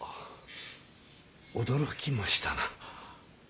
驚きましたな。